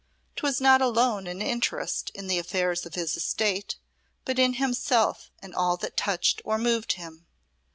'Twas not alone an interest in the affairs of his estate, but in himself and all that touched or moved him.